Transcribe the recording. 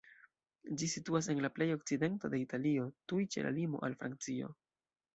Ĝi situas en la pleja okcidento de Italio, tuj ĉe la limo al Francio.